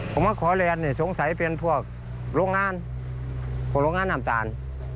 ผมขอแรงสงสัยเป็นพวกโรงงานพวกโรงงานนำต่าง